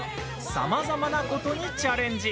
さまざまなことにチャレンジ。